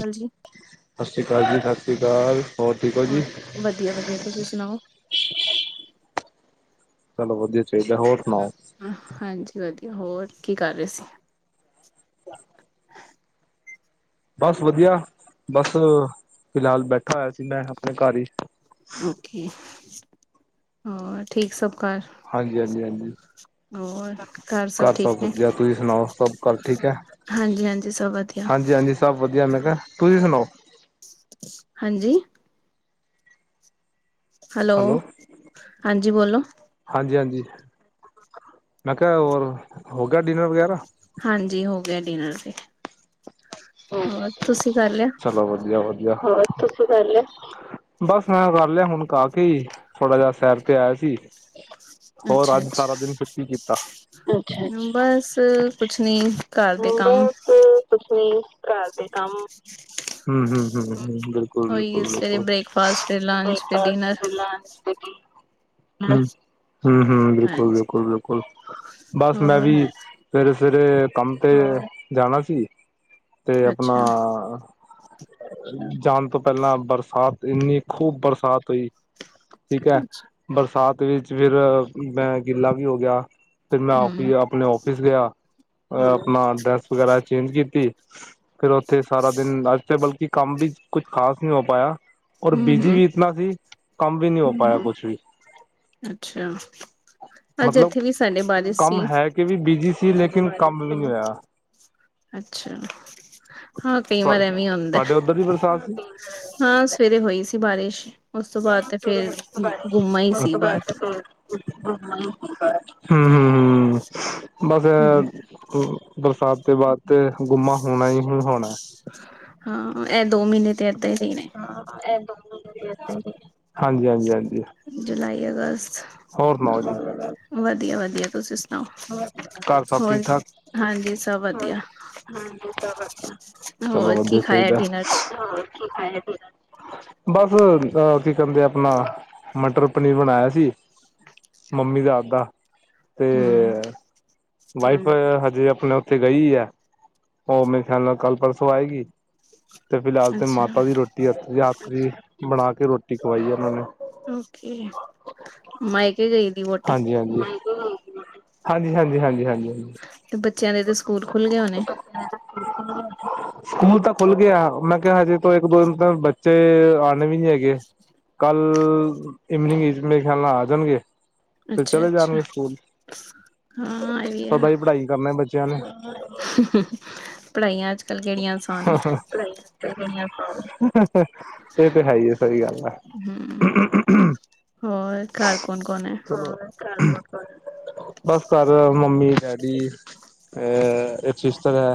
ਹਾਂਜੀ। ਸਸੀ ਕਾਲ ਜੀ, ਸਸੀ ਕਾਲ। ਹੋਰ ਜੀ ਵਧੀਆ-ਵਧੀਆ ਤੁਸੀਂ ਸੁਣਾਓ? ਚਲੋ ਵਧੀਆ ਚਾਹੀਦਾ ਹੋਰ ਸੁਣਾਓ? ਹਾਂਜੀ, ਵਧੀਆ ਹੋਰ ਕੀ ਕਰ ਰਹੇ ਸੀ? ' [unintelligible] ਬੱਸ ਵਧੀਆ, ਬੱਸ, ਫਿਲਹਾਲ ਬੈਠਾ ਹੋਇਆ ਸੀ ਮੈਂ ਆਪਣੇ ਘਰ ਹੀ ਓਕੇ, ਹੋਰ ਠੀਕ ਸਭ ਘਰ ਹਾਂਜੀ, ਹਾਂਜੀ-ਹਾਂਜੀ ਘਰ ਸਭ ਵਧੀਆ, ਤੁਸੀਂ ਸੁਣਾਓ ਸਭ ਘਰ ਠੀਕ ਐ ਹਾਂਜੀ-ਹਾਂਜੀ ਸਭ ਵਧੀਆ ਸਭ ਵਧੀਆ ਮੈਂ ਕਿਹਾ ਤੁਸੀਂ ਸੁਣਾਓ? ਹਾਂਜੀ। ਹੈਲੋ, ਹਾਂਜੀ ਬੋਲੋ। ਹਾਂਜੀ-ਹਾਂਜੀ, ਮੈਂ ਕਿਹਾ ਹੋਰ ਹੋ ਗਿਆ ਡਿਨਰ ਵਗੈਰਾ? ਹਾਂਜੀ, ਹੋ ਗਿਆ ਡਿਨਰ ਤੇ। ਹੋਰ ਤੁਸੀਂ ਕਰ ਲਿਆ ਚਲੋ ਵਧੀਆ-ਵਧੀਆ। ਬੱਸ ਮੈਂ ਕਰ ਲਿਆ, ਹੁਣ ਕਾਕੇ ਹੀ ਥੋੜਾ ਜਿਹਾ ਸੈਰ ਤੇ ਆਇਆ ਸੀ। ਹੋਰ ਅੱਛਾ ਅੱਜ ਸਾਰਾ ਅੱਛਾ ਦਿਨ ਫਿਰ ਕੀ ਕੀਤਾ? ਬੱਸ ਕੁਛ ਨੀ, ਘਰ ਦੇ ਕੰਮ ਤੁਸੀ ਘਰਦੇ ਕੰਮ, ਹਮ-ਹਮ ਉਹੀ ਸਵੇਰੇ ਬਿਲਕੁਲ-ਬਿਲਕੁਲ, ਬ੍ਰੇਕਫਾਸਟ ਫਿਰ ਲੰਚ ਫਿਰ ਬ੍ਰੇਕਫਾਸਟ, ਡਿਨਰ ਫੇਰ ਲੰਚ ਹਮ-ਹਮ, ਹਾਂਜੀ ਬਿਲਕੁਲ-ਬਿਲਕੁਲ, ਬਿਲਕੁਲ ਬੱਸ ਮੈਂ ਹੋਰ ਵੀ ਸਵੇਰੇ-ਸਵੇਰੇ ਕੰਮ ਤੇ ਜਾਣਾ ਸੀ ਤੇ ਆਪਣਾ ਅੱਛਾ ਜਾਣ ਤੋਂ ਪਹਿਲਾਂ ਬਰਸਾਤ ਇੰਨੀ ਖੂਬ ਬਰਸਾਤ ਪਈ। ਠੀਕ ਐ, ਅੱਛਾ ਬਰਸਾਤ ਵਿੱਚ, ਫਿਰ ਮੈਂ ਗਿੱਲਾ ਵੀ ਹੋ ਗਿਆ। ਫਿਰ ਮੈਂ ਹਮ ਔਫੀ ਆਪਣੇ ਔਫਿਸ ਗਿਆ, ਆਪਣਾ ਅ ਡਰੈਸ ਵਗੈਰਾ ਚੇਂਜ ਕੀਤੀ। ਫਿਰ ਉੱਥੇ ਸਾਰਾ ਦਿਨ ਅੱਜ ਬਲਕਿ ਕੰਮ ਵੀ ਕੁਛ ਖ਼ਾਸ ਨਹੀਂ ਹੋ ਪਾਇਆ। ਔਰ ਹਮ ਬਿਜੀ ਹਮ ਵੀ ਇਤਨਾ ਸੀ, ਕੰਮ ਵੀ ਨਹੀਂ ਹੋ ਪਾਇਆ ਕੁਛ ਵੀ ਅੱਛਾ, ਅੱਜ ਮਤਲਬ ਇੱਥੇ ਵੀ ਸਾਡੇ ਬਾਰਿਸ਼ ਕੰਮ ਸੀ। ਹੈ ਕਿ ਵੀ ਬਿਜੀ ਸੀ ਲੇਕਿਨ ਕੰਮ ਈ ਨੀ ਆਇਆ। ਅੱਛਾ, ਹਾਂ ਕਈ ਵਾਰ ਤੁਹਾ ਐਵੀਂ ਆਦਾ ਤੁਹਾਡੇ ਉੱਧਰ ਦੀ ਬਰਸਾਤ ਸੀ? ਹਾਂ, ਸਵੇਰੇ ਹੋਈ ਸੀ ਬਾਰਿਸ਼, ਉਸ ਤੋਂ ਬਾਅਦ ਤੇ ਫੇਰ ਗੁੰਮਾ ਈ ਸੀ ਬੱਸ ਹਮ-ਹਮ, ਹਮ ਬੱਸ ਹਮ, ਬਰਸਾਤ ਦੇ ਬਾਅਦ ਗੁੰਮਾ ਹੋਣਾ ਹ ਹੀ ਹੋਣਾ ਹਾਂ, ਇਹ ਦੋ ਮਹੀਨੇ ਤੇ ਅੱਧਾ ਈ ਦਿਨ ' [unintelligible] ' ਹਾਂਜੀ-ਹਾਂਜੀ, ਹਾਂਜੀ। ਜੁਲਾਈ, ਅਗਸਤ ਹੋਰ ਸੁਣਾਓ ਜੀ? ਵਧੀਆ-ਵਧੀਆ ਤੁਸੀਂ ਸੁਣਾਓ ਘਰ ਸਭ ਹੋਰ? ਹਾਂਜੀ ਸਭ ਵਧੀਆ। ' [inaudible] ' ਚਲੋ ਹੋਰ ਕੀ ਵਧੀਆ ਖਾਇਆ ਸਹੀਦਾ' ਡਿਨਰ ਚ ' [inaudible] ਬੱਸ, ਅ ਕੀ ਕਹਿੰਦੇ ਆ ਆਪਣਾ, ਮਟਰ ਪਨੀਰ ਬਣਾਇਆ ਸੀ। ਮੰਮੀ ਦੇ ਹੱਥ ਦਾ ਤੇ ਹਮ ਵਾਈਫ, ਹਜੇ ਆਪਣਾ ਉੱਥੇ ਗਈ ਆ। ਉਹ ਮੇਰੇ ਖਿਆਲ ਨਾਲ, ਕੱਲ-ਪਰਸੋਂ ਆਏਗੀ ਤੇ ਫਿਲਹਾਲ ਤੇ, ਅੱਛਾ ਮਾਤਾ ਦੀ ਰੋਟੀ ਹੱਥ ਦੀ ਬਣਾ ਕੇ ਰੋਟੀ ਖਵਾਈ ਆ ਉਹਨਾਂ ਨੇ ਓਕੇ, ਮਾਇਕੇ ਗਈ ਦੀ ਵਹੁਟੀ ਹਾਂਜੀ-ਹਾਂਜੀ, ਹਾਂਜੀ-ਹਾਂਜੀ, ਹਾਂਜੀ-ਹਾਂਜੀ। ਤੇ ਬੱਚਿਆਂ ਦੇ ਤੇ ਸਕੂਲ ਖੁੱਲ੍ਹੇ ਹੋਣੇ। ' [inaudible] ਸਕੂਲ ਤਾਂ ਖੁੱਲ ਗਿਆ, ਮੈਂ ਕਿਹਾ ਹਜੇ ਤੋਂ ਇੱਕ, ਦੋ ਦਿਨ ਤ ਬੱਚੇ ਆਣੇ ਵੀ ਨਹੀਂ ਹੈਗੇ ਕੱਲ ਇਵਨਿੰਗ ਗਈ, ਮੇਰੇ ਖੇਲ ਨਾਲ ਆ ਜਾਣਗੇ। ਫਿਰ ਅੱਛਾ ਚਲੇ ਅੱਛਾ ਜਾਣਗੇ ਸਕੂਲ, ਹਾਂ ਪਤਾ ਈ ਪੜ੍ਹਾਈ ਕਰਨਾ ਬੱਚਿਆਂ ਨੇ ' [unintelligible] ਪੜ੍ਹਾਈਆਂ ਅੱਜ-ਕੱਲ੍ਹ ' [unintelligible] ਇਹ ਤੇ ਹੈ ਈ ਐ ਸਹੀ ਗੱਲ ਐ। ਨੇ ਹਮ ਹੋਰ ਘਰ ਕੋਣ-ਕੋਣ ਏ? ਬੱਸ ਘਰ ਮੰਮੀ ਡੈਡੀ, ਓਰ ਸਿਸਟਰ ਐ।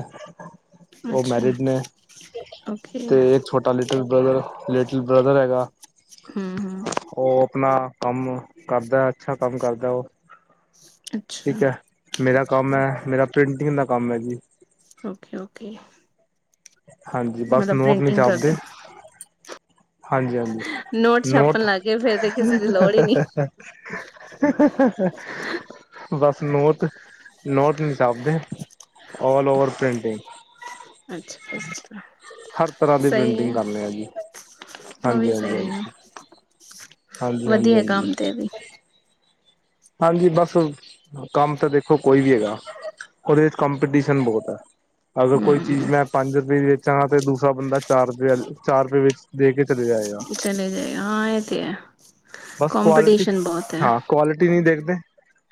ਅੱਛਾ, ਓਕੇ। ਤੇ ਇੱਕ ਛੋਟਾ ਲਿਟਲ ਬ੍ਰਦਰ, ਲਿਟਲ ਬ੍ਰਦਰ ਹੈਗਾ। ਹਮ ਹਮ ਉਹ ਆਪਣਾ ਕੰਮ ਕਰਦਾ ਅੱਛਾ ਕੰਮ ਕਰਦਾ ਉਹ, ਅੱਛਾ ਠੀਕ ਐ। ਮੇਰਾ ਕੰਮ ਐ, ਮੇਰਾ ਪ੍ਰਿੰਟਿੰਗ ਦਾ ਕੰਮ ਹੈ ਜੀ। ਓਕੇ-ਓਕੇ। ਹਾਂਜੀ, ਬੱਸ ਨੋਟ ਨੀ ਕਰਦੇ ਚੱਬਦੇ। ਹਾਂਜੀ-ਹਾਂਜੀ ਹੋ ਛਾਪਣ ਨੋਟ।' ਲੱਗ ਗਏ ਫੇਰ ਤੇ ਕਿਸੇ ਦੀ ਲੋੜ ਹੀ ਨੀ ' [unintelligible] ਬੱਸ ਨੋਤ, ਨੋਟ ਨੀ ਚੱਲਦੇ, ਆੱਲ ਓਵਰ ਪ੍ਰਿੰਟਿੰਗ ਅੱਛਾ-ਅੱਛਾ। ਹਰ ਤਰ੍ਹਾਂ ਦੀ ਪਿੰਟਿੰਗ ਕਰਨੇ ਆ ਜੀ, ਉਹ ਵੀ ਹਾਂਜੀ-ਹਾਂਜੀ, ਸਹੀ ਹੈ ਹਾਂਜੀ। ਹਾਂਜੀ-ਹਾਂਜੀ। ਮੈ ਕੰਮ ਦੇ ਵੀ ਆਵੀ। ਹਾਂਜੀ ਬੱਸ, ਕੰਮ ਤੇ ਦੇਖੋ ਕੋਈ ਵੀ ਹੈਗਾ। ਉਹਦੇ 'ਚ'ਕਮਪੀਟੀਸ਼ਨ ਬਹੁਤ ਆ। ਅਗਰ ਕੋਈ ਚੀਜ਼ ਹਮ ਮੈਂ ਪੰਜ ਰੁਪਏ ਦੀ ਵੇਚਾਂਗਾ ਤੇ ਦੂਸਰਾ ਬੰਦਾ ਚਾਰ ਰੁਪਏ ਚਾਰ ਰੁਪਏ ਵਿੱਚ ਦੇ ਕੇ ਚਲੇ ਜਾਏਗਾ। ਲੈ ਜਾ ਹਾਂ ਇਹ ਤੇ ਹੈ, ਬਸ ਕੁਆਲਿਟੀ ਕਮਪਟੀਸ਼ਨ ਬਹੁਤ ਐ। ਹਾਂ ਕੁਆਲਿਟੀ ਨਹੀਂ ਦੇਖਦੇ,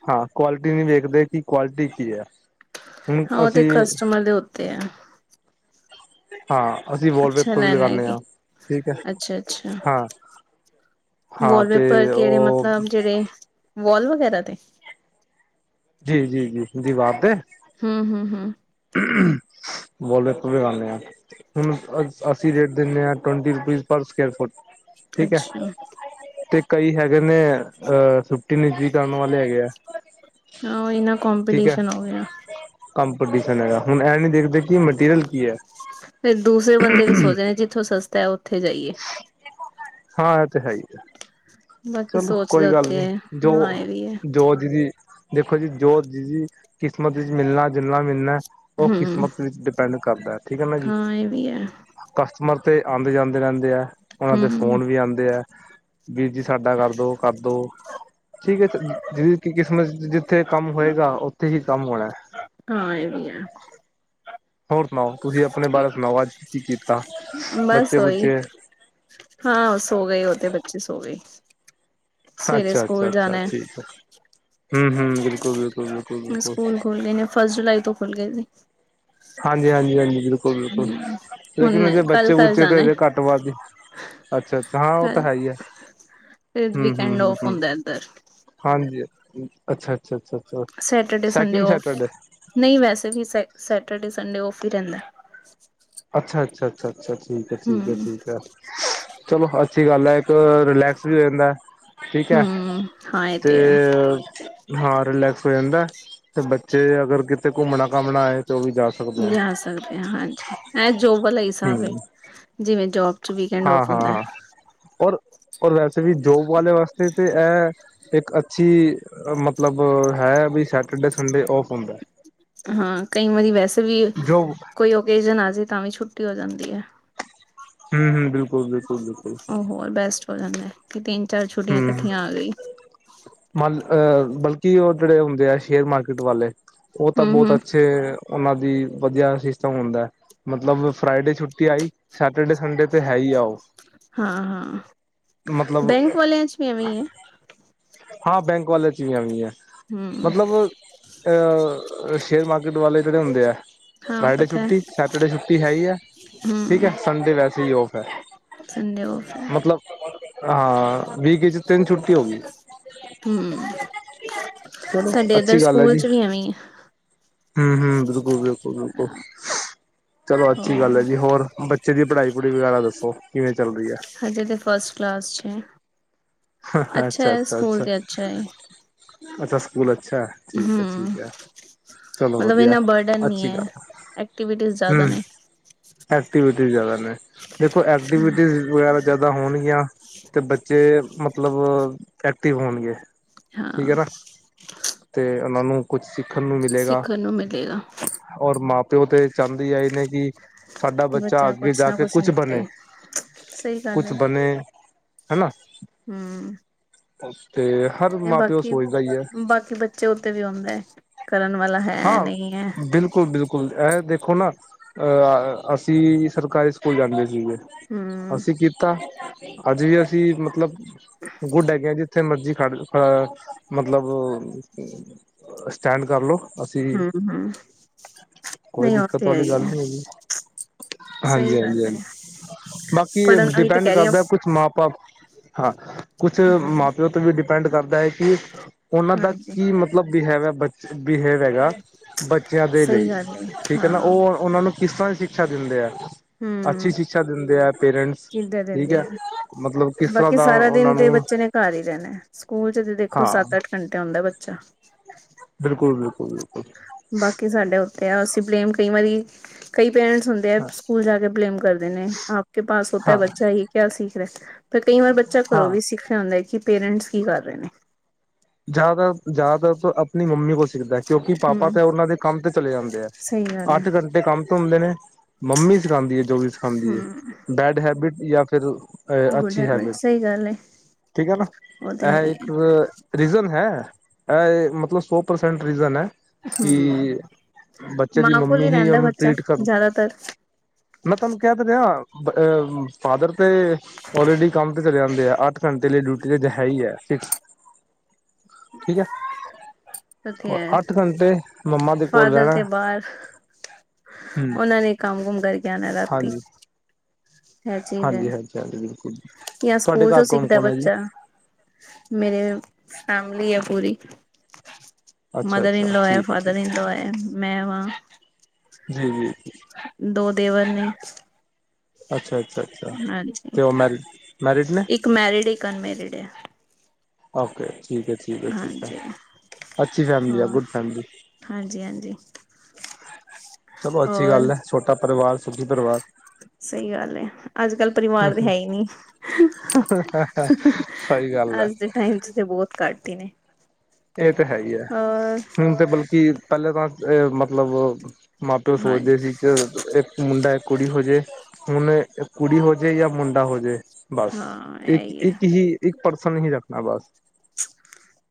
ਹਾਂ ਕੁਆਲਿਟੀ ਨਹੀਂ ਦੇਖਦੇ ਕਿ ਕੁਆਲਿਟੀ ਕੀ ਐ। ਹਾਂ, ਉਹ ਤੇ ਕਸਟਮਰ ਦੇ ਉੱਤੇ ਆ। ਹਾਂ, ਅਸੀਂ ਅੱਛਾ ਵਾਲਪੇਪਰ ਵੀ ਲੈਣਾ ਹੈ ਲਗਾਉਣੇ ਕਿ ਆ, ਠੀਕ ਐ, ਅੱਛਾ ਅੱਛਾ ਹਾਂ। ਹਾਂ ਤੇ ਵਾਲਪੇਪਰ ਕਿਹੜੇ ਉਹ ਮਤਲਬ ਜਿਹੜੇ ਵੋਲ ਵਗੈਰਾ ਤੇ ਜੀ-ਜੀ, ਜੀ-ਜੀ ਦੀਵਾਰ ਤੇ ਹਮ, ਹਮ-ਹਮ। ' [unintelligible] ' ਵਾਲ ਪੇਪਰ ਲਗਾਣੇ ਆ। ਹੁਣ ਅਸੀਂ ਰੇਟ ਦਿੰਣੇ ਆ, twenty rupees per square foot ਠੀਕ ਐ, ਅੱਛਾ ਤੇ ਕਈ ਹੈਗੇ ਨੇ ਅਹ ਛੁੱਟੀ ਨਿੱਜੀ ਕਰਨ ਵਾਲੇ ਹੈਗੇ ਆ। ਆਹ ਇੰਨਾ ਠੀਕ ਹੈ ਕੋਂਪੀਟੀਸ਼ਨ ਹੋ ਗਿਆ। ਕੰਪੀਟੀਸ਼ਨ ਹੈਗਾ, ਹੁਣ ਇਹਂ ਨੀ ਦੇਖਦੇ ਕਿ ਮਟੀਰੀਅਲ ਕੀ ਹੈ ਫਿਰ ਦੂਸਰੇ ਬੰਦੇ ਵੀ ਸੋਚ ਨੇ ਜਿੱਥੋਂ ਸਸਤਾ ਉੱਥੇ ' ਜਾਈਏ [unintelligible] ' ਹਾਂ ਇਹ ਤੇ ਹੈ ਆ। ਬਾਕੀ ਚੱਲੋ, ਸੋਚ ਦੇ ਕੋਈ ਗੱਲ ਉੱਤੇ ਨੀ ਹੈ ਜੋ ਹਾਂ ਇਹ ਵੀ ਹੈ ਜੋ ਜਿਹਦੀ ਦੀ, ਦੇਖੋ ਜੀ, ਜੋ ਜਿਹਦੀ ਦੀ ਕਿਸਮਤ ਵਿੱਚ ਮਿਲਣਾ, ਜੁਲਣਾ, ਮਿਲਣਾ। ਉਹ ਹਮ ਕਿਸਮਤ ਵਿੱਚ ਡਿਪੈਂਡ ਕਰਦਾ ਠੀਕ ਨਾ ਜੀ। ਹਾਂ ਇਹ ਵੀ ਹੈ ਕਸਟਮਰ ਤੇ ਆਦੇ-ਜਾਂਦੇ ਰਹਿੰਦੇ ਆ ਉਹਨਾਂ ਦੇ ਹਮ ਫੋਨ ਵੀ ਆਦੇ ਹੈ, ਵੀ ਜ ਸਾਡਾ ਕਰਦੋ-ਕਰਦੋ। ਠੀਕ ਐ ਜਿ ਕਿ ਕਿਸਮਤ ਜਿੱਥੇ ਕੰਮ ਹੋਏਗਾ, ਉੱਥੇ ਹੀ ਕੰਮ ਹੋਣਾ। ਹਾਂ ਇਹ ਵੀ ਐ। ਹੋਰ ਸੁਣਾਓ, ਤੁਸੀਂ ਆਪਣੇ ਬਾਰੇ ਸੁਣਾਓ ਅੱਜ, ਕੀ ਕੀਤਾ ਬਸ ਉਹੀ ਬੱਚੇ-ਬੁੱਚੇ ਹਾਂ ਸੋ ਗਏ ਉਹ ਤੇ, ਬੱਚੇ ਸੋ ਗੇ। ਅੱਛਾ, ਅੱਛਾ-ਅੱਛਾ ਠੀਕ ਹੈ। ਹਮ-ਹਮ ਬਿਲਕੁਲ ਬਿਲਕੁਲ ਬਿਲਕੁਲ ਮੈ ਬਿਲਕੁਲ ਸਕੂਲ ਖੁੱਲ੍ਹ ਲੈਨੀਆ, ਫਸਟ ਜੁਲਾਈ ਤੋਂ ਖੁਲ ਗਏ ਨੇ। ਹਾਂਜੀ, ਹਾਂਜੀ-ਹਾਂਜੀ, ਬਿਲਕੁਲ-ਬਿਲਕੁਲ ਹਮ ਹੁਣ ਲੇਕਿਨ ਅਜੇ ਕੱਲ ਕੱਲ ਬੱਚੇ-ਬੁੱਚੇ ਤੇ ਜਾਣਾ ਹੈ ਹਜੇ ਘੱਟ ਵਧ ਹੀ ਅੱਛਾ-ਅੱਛਾ ਹਾਂ ਉਹ ਤਾਂ ਕੱਲ ਹੈ ਹੀ ਐ। ਫਿਰ ਵੀਕਐਂਡ ਔਫ ਹੁੰਦਾ ਇੱਧਰ। ਹਾਂਜੀ, ਅੱਛਾ-ਅੱਛਾ, ਅੱਛਾ-ਅੱਛਾ Saturday Sunday second off Saturday. ਨਹੀਂ ਵੈਸੇ ਵੀ, ਸ ਸੈਟਰਡੇ ਸੰਡੇ ਔਫ ਹੀ ਰਹਿੰਦਾ। ਅੱਛਾ-ਅੱਛਾ, ਅੱਛਾ-ਅੱਛਾ ਠੀਕ ਐ, ਠੀਕ ਐ, ਹਮ ਠੀਕ ਐ। ਚਲੋ ਅੱਛੀ ਗੱਲ ਐ, ਇੱਕ ਰਿਲੈਕਸ ਵੀ ਹੋ ਜਾਂਦਾ। ਠੀਕ ਐ ਹਮ ਹਾਂ ਇਹ ਤੇ ਹੈ ਹਾਂ, ਰਿਲੈਕਸ ਹੋ ਜਾਂਦਾ ਤੇ ਬੱਚੇ ਅਗਰ ਕਿਤੇ ਘੁੰਮਣਾ-ਘਾਮਣਾ ਆਏ। ਤੇ ਉਹ ਵੀ ਜਾ ਸਕਦੇ ਆ ਜਾ ਸਕਦੇ ਆ ਹਾਂਜੀ, ਐ ਜੋਬ ਵਾਲਾ ਹਿਸਾਬ ਐ ਹੂੰ ਜਿਵੇਂ ਜੋਬ ਚ ਵੀਕਐਂਡ ਹਾਂ, ਔਫ ਹੁੰਦਾ ਹਾਂ-ਹਾਂ ਔਰ ਵੈਸੇ ਵੀ ਜੋਬ ਵਾਲੇ ਵਾਸਤੇ ਤੇ ਐਹ ਇੱਕ ਅੱਛੀ, ਮਤਲਬ ਹੈ, ਵੀ ਸੈਟਰਡੇ ਸੰਡੇ ਔਫ ਹੁੰਦਾ। ਹਾਂ, ਕਈ ਵਾਰੀ ਵੈਸੇ ਵੀ, ਜੋ ਕੋਈ ਓਕੇਜਨ ਆ ਜੇ ਤਾਂ ਵੀ ਛੁੱਟੀ ਹੋ ਜਾਂਦੀ ਐ। ਹਮ-ਹਮ ਬਿਲਕੁਲ-ਬਿਲਕੁਲ, ਬਿਲਕੁਲ ਔਰ ਬੈਸਟ ਹੋ ਜਾਂਦਾ, ਕਿ ਤਿੰਨ, ਚਾਰ ਛੁੱਟੀਆਂ ਇਕੱਠੀਆਂ ਆ ਗਈ। ਮਲ, ਬਲਕਿ ਉਹ ਜਿਹੜੇ ਹੁੰਦੇ ਸ਼ੇਅਰ ਮਾਰਕੀਟ ਵਾਲੇ, ਉਹ ਤਾਂ ਹੂੰ ਬਹੁਤ ਹੂੰ ਅੱਛੇ ਤੇ ਉਹਨਾਂ ਦੀ, ਵਧੀਆ ਸਿਸਟਮ ਹੁੰਦਾ। ਮਤਲਬ ਫਰਾਈਡੇ ਛੁੱਟੀ ਆਈ, ਸੈਟਰਡੇ ਸੰਡੇ ਤੇ ਹੈ ਹੀ ਆ ਉਹ ਹਾਂ-ਹਾਂ ਮਤਲਬ ਬੈਂਕ ਵਾਲਿਆਂ 'ਚ' ਵੀ ਐਵੇਂ ਐ। ਹਾਂ, ਬੈਂਕ ਵਾਲਿਆ 'ਚ' ਵੀ ਐਵੇ ਹੀ ਆ ਹੂੰ ਮਤਲਬ ਅ ਸ਼ੇਅਰ ਮਾਰਕੀਟ ਵਾਲੇ ਜਿਹੜੇ ਹੁੰਦੇ ਐ। ਹਾਂ ਫਰਾਈਡੇ ਪਤਾ ਹੈ ਛੁੱਟੀ, ਸੈਟਰਡੇ ਛੁੱਟੀ ਹੈ ਹੀ ਆ, ਠੀਕ ਹੂੰ ਐ, ਸੰਡੇ ਵੈਸੇ ਹੀ ਔਫ ਆ। ਸੰਡੇ ਔਫ ਹੈ ਮਤਲਬ ਹਾਂ, ਵੀਕ 'ਚ' ਤਿੰਨ ਛੁੱਟੀ ਹੋ ਗੀ। ਹਮ, ਚਲੋ ਸਾਡੇ ਇੱਧਰ ਅੱਛੀ ਸਕੂਲ 'ਚ' ਵੀ ਐਵੇਂ ਹੀ ਆ। ਹਮ-ਹਮ ਬਿਲਕੁਲ, ਬਿਲਕੁਲ-ਬਿਲਕੁਲ। ਹੈ ਚਲੋ ਅੱਛੀ ਹੋਰ ਗੱਲ ਐ ਜੀ, ਹੋਰ ਬੱਚੇ ਦੀ ਪੜ੍ਹਾਈ-ਪੜੂਈ ਵਗੈਰਾ ਦੱਸੋ ਕਿਵੇਂ ਚੱਲ ਰਹੀ ਐ? ਹਜੇ ਤੇ ਫਸਟ ਕਲਾਸ 'ਚ' ਐ, ਅੱਛਾ ਹੈ, ਸਕੂਲ ਤੇ ਅੱਛਾ ਐ। ਅੱਛਾ, ਸਕੂਲ ਅੱਛਾ ਠੀਕ ਐ, ਹੂੰ ਠੀਕ ਐ। ਚਲੋ ਮਤਲਬ ਵਧੀਆ। ਇੰਨਾ ਬਰਡਨ ਨਹੀਂ ਅੱਛੀ ਹੈ ਗੱਲ ਆ। ਐਕਟੀਵਿਟੀਜ਼ ਜ਼ਿਆਦਾ ਹਮ ਨੇ ਐਕਟੀਵਿਟੀ ਜ਼ਿਆਦਾ ਨੇ ਦੇਖੋ ਐਕਟੀਵਿਜ਼ ਵਗੈਰਾ ਜਿਆਦਾ ਹੋਣਗੀਆਂ ਤੇ ਬੱਚੇ ਮਤਲਬ ਐਕਟਿਵ ਹੋਣਗੇ। ਠੀਕ ਹਾਂ ਏ ਨਾ ਤੇ ਉਹਨਾਂ ਨੂੰ ਕੁਛ ਸਿੱਖਣ ਨੂੰ ਮਿਲੇਗਾ। ਸਿੱਖਣ ਨੂੰ ਮਿਲੇਗਾ ਔਰ ਮਾਂ-ਪਿਓ ਤੇ ਚਾਹਦੇ ਆਏ ਨੇ ਕਿ ਸਾਡਾ ਬੱਚਾ ਅੱਗੇ ਜਾ ਕੇ ਕੁਛ ਬਣੇ ਸਹੀ ਗੱਲ ਹੈ ਕੁਛ ਬਣੇ। ਹਨਾ। ਹਮ। ਉਤੇ ਇਹ ਬਾਕੀ-ਬਾਕੀ ਬੱਚੇ ਉੱਤੇ ਵੀ ਆਦੇ ਏ ਕਰਨ ਵਾਲਾ ਹੈ ਹਾਂ ਨਹੀਂ ਹੈ। ਬਿਲਕੁਲ ਬਿਲਕ- ਲ ਐਹ ਦੇਖੋ ਨਾ ਅਸੀ ਸਰਕਾਰੀ ਸਕੂਲ ਜਾਂਦੇ ਸੀਗੇ। ਹਮ ਅਸੀ ਕੀਤਾ ਅੱਜ ਵੀ ਅਸੀ ਮਤਲਬ ਗੁੱਡ ਹੈਗੇ ਆ ਜਿੱਥੇ ਮਰਜੀ ਖੜ ਮਤਲਬ ਸਟੈਂਡ ਕਰ ਲਉ। ਅਸੀਂ ਹਮ ਹਮ ਕੋਈ ਨਹੀਂ ਉਹ ਦਿੱਕਤ ਤੇ ਹੈ ਵਾਲੀ ਗੱਲ ਹੀ ਹੈ ਨਹੀ ਹੈਗੀ। ਹਾਂਜੀ ਸਹੀ ਹਾਂਜੀ ਗੱਲ ਹਾਂਜੀ। ਹੈ ਬਾਕੀ ਪੜ੍ਹਨ ਉਹੀ ਤੇ ਡਿਪੈਂਡ ਕਹਿ ਰਹੀ ਕਰਦਾ ਹ ਕੁਛ ਮਾਂ ਬਾਪ ਹਾਂ, ਕੁਛ ਹਮ ਮਾਂ-ਪਿਓ ਤੇ ਵੀ ਡਿਪੈਂਡ ਕਰਦਾ ਏ ਕਿ ਉਹਨਾਂ ਦਾ ਹਾਂਜੀ ਕੀ ਮ- ਮਤਲਬ ਬਿਹੇਵ ਹੈਗਾ ਬੱਚਿਆਂ ਦੇ ਸਹੀ ਲਈ। ਗੱਲ ਹੈ ਠੀਕ ਏ ਨਾ ਹਾਂ ਉਹ ਉਹਨਾਂ ਨੂੰ ਕਿਸ ਤਰਾਂ ਦੀ ਸ਼ਿਕਸ਼ਾ ਦਿੰਦੇ ਆਂ। ਹਮ ਅੱਛੀ ਸ਼ਿਕਸ਼ਾ ਦਿੰਦੇ ਏ। ਪੇਰੈਂਟਸ ਕਿੱਦਾਂ ਠੀਕ ਦਿੰਦੇ ਏ ਆ ਮਤਲਬ ਕਿਸ ਤਰ੍ਹਾਂ ਬਾਕੀ ਦਾ ਸਾਰਾ ਦਿਨ ਉਹਨਾਂ ਤੇ ਨੂੰ ਬੱਚੇ ਨੇ ਘਰ ਹੀ ਰਹਿਣਾ ਸਕੂਲ ਚ ਤੇ ਦੇਖੋ ਹਾਂ ਸੱਤ ਅੱਠ ਘੰਟੇ ਆਉਦਾ ਬੱਚਾ। ਬਿਲਕੁਲ-ਬਿਲਕੁਲ-ਬਿਲਕੁਲ। ਬਾਕੀ ਸਾਡੇ ਉੱਤੇ ਆ ਅਸੀ ਬਲੇਮ ਕਈ ਵਾਰੀ ਕਈ ਪੇਰੈਂਟਸ ਹੁੰਦੇ ਹਾਂ ਸਕੂਲ ਜਾ ਕੇ ਬਲੇਮ ਕਰ ਦੇਣੇ। ਆਪ ਕੇ ਪਾਸ ਹੋਤਾ ਏ ਹਾਂ ਬੱਚਾ ਇਹ ਕਿਆ ਸਿੱਖ ਰਿਹਾ। ਫਿਰ ਕਈ ਵਾਰ ਬੱਚਾ ਹਾਂ ਘਰੋਂ ਵੀ ਸਿੱਖਣਾ ਆਉੁਦਾ ਏ ਕਿ ਪੇਰੈਂਟਸ ਕੀ ਕਰ ਰਹੇ ਨੇ। ਜ਼ਿਆਦਾਤਰ-ਜ਼ਿਆਦਾਤਰ ਆਪਣੀ ਮੰਮੀ ਕੋਲ ਸਿੱਖਦਾ ਕਿਉਕਿ ਪਾਪਾ ਹਮ ਤੇ ਉਹਨਾਂ ਦੇ ਕੰਮ ਤੇ ਚਲੇ ਜਾਂਦੇ ਏ। ਸਹੀ ਗੱਲ ਹੈ ਅੱਠ ਘੰਟੇ ਕੰਮ ਤੋਂ ਹੁੰਦੇ ਨੇ। ਮੰਮੀ ਸਿਖਾਦੀ ਜੋ ਵੀ ਸਿਖਾਦੀ ਹੈਏ ਹਮ ਬੈਡ ਹੈਬਿਟ ਜਾਂ ਫਿਰ ਗੁੱਡ ਅੱਛੀ ਹੈਬਿਟ। ਸਹੀ ਗੱਲ ਹੈ ਠੀਕ ਕੇ ਨਾ ਉਹ ਤੇ ਹੈ ਇਹ ਹੀ ਇੱਕ ਰੀਜ਼ਨ ਹੈ। ਇਹ ਮਤਲਬ ਸੌ ਪਰਸੈਂਟ ਰੀਜਨ ਏ। ਹੈ ਹਮ ਕੀ ਬੱਚੇ ਦੀ ਮਾਂ ਕੋਲ ਮੰਮੀ ਹੀ ਰਹਿੰਦਾ ਉਹਨੂੰ ਬੱਚਾ ਟ੍ਰੀਟ ਕਰਦੀ। ਜ਼ਿਆਦਾਤਰ ਮੈਂ ਤੁਹਾਨੂੰ ਕਹਿ ਦੇ ਰਿਹਾ ਫਾਦਰ ਤੇ ਔਲਰੇਡੀ ਕੰਮ ਤੇ ਚਲੇ ਜਾਂਦੇ ਆ। ਅੱਠ ਘੰਟੇ ਲਈ ਡਿਊਟੀ ਤੇ ਜਹਾ ਹੀ ਹੈ ਫਿਕਸ। ਠੀਕ ਉੱਥੇ ਏ। ਹੈ ਅੱਠ ਘੰਟੇ ਮੰਮਾ ਦੇ ਕੋਲ ਫਾਦਰ ਰਹਿਣਾ। ਤੇ ਬਾਹਰ ਹਮ ਉਹਨਾਂ ਨੇ ਕੰਮ-ਕੁਮ ਕਰਕੇ ਆਣਾ ਰਾਤੀ। ਹਾਂਜੀ ਇਹ ਚੀਜ਼ ਏ ਹਾਂਜੀ ਹਾਂਜੀ ਹਾਂਜੀ ਬਿਲਕੁਲ ਜੀ ਜਾਂ ਤੁਹਾਡੇ ਸਕੂਲ ਘਰ ਕੌਣ ਸਿੱਖਦਾ ਕੌਣ ਹੈ ਜੀ ਬੱਚਾ। ਮੇਰੇ ਫੈਮਲੀ ਏ ਪੂਰੀ। ਅੱਛਾ ਮਦਰ ਇਨ ਅੱਛਾ ਲੋਅ ਏ, ਠੀਕ ਹੈ ਫਾਦਰ ਠੀਕ ਇਨ ਲੋਅ ਏ, ਮੈਂ ਵਾਂ। ਨਹੀਂ-ਨਹੀਂ। ਦੋ ਦੇਵਰ ਨੇ। ਅੱਛਾ ਅੱਛਾ ਅੱਛਾ ਹਾਂਜੀ, ਤੇ ਉਹ ਮੈਰਿਡ ਮੈਰਿਡ ਨੇ। ਇੱਕ ਮੈਰਿਡ, ਇੱਕ ਅਨਮੈਰਿਡ ਏ। ਓਕੇ ਠੀਕ ਏ ਠੀਕ ਏ ਠੀਕ ਏ। ਹਾਂਜੀ। ਅੱਛੀ ਫੈਮਲੀ ਆ ਹੋਰ ਗੁੱਡ ਫੈਮਲੀ। ਹਾਂਜੀ-ਹਾਂਜੀ। ਚਲੋ ਅੱਛੀ ਹੋਰ ਗੱਲ ਏ। ਛੋਟਾ ਪਰਿਵਾਰ ਸੁਖੀ ਪਰਿਵਾਰ। ਸਹੀ ਗੱਲ ਏ। ਅੱਜ-ਕੱਲ੍ਹ ਪਰਿਵਾਰ ਤੇ ਹੈ ਹੀ ਨਹੀਂ। ਸਹੀ ਗੱਲ ਏ। ਅੱਜ ਦੇ ਟਾਈਮ 'ਚ' ਤੇ ਬਹੁਤ ਘੱਟ ਨੇ। ਇਹ ਤਾਂ ਹੈ ਹੀ ਏ ਹੋਰ ਹੁਣ ਤੇ ਬਲਕਿ ਪਹਿਲੇ ਤਾਂ ਮਤਲਬ ਮਾਂ-ਪਿਓ ਹਾਂਜੀ ਸੋਚਦੇ ਸੀ। ਕਿ ਇੱਕ ਮੁੰਡਾ, ਇਕ ਕੁੜੀ ਹੋਜੇ। ਹੁਣ ਕੁੜੀ ਹੋਜੇ ਜਾਂ ਮੁੰਡਾ ਹੋਜੇ। ਬੱਸ ਹਾਂ ਇਹੀ ਹੈ। ਇੱਕ-ਇੱਕ ਹੀ ਇੱਕ ਪਰਸਨ ਹੀ ਰੱਖਣਾ ਬੱਸ।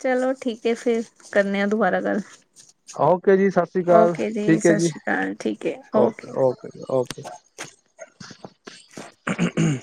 ਚਲੋ ਠੀਕ ਏ, ਫਿਰ ਕਰਨੇ ਆ ਦੁਬਾਰਾ ਗੱਲ। ਓਕੇ ਜੀ, ਸ਼ਸ਼ੀ ਕਾਲ, ਓਕੇ ਠੀਕ ਏ ਸਤਿ ਜੀ। ਸ਼੍ਰੀ ਅਕਾਲ ਠੀਕ ਹੈ ਓਕੇ, ਓਕੇ-ਓਕੇ।' ' [inaudible] ਹਮ।